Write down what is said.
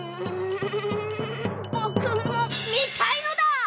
ぼくもみたいのだ！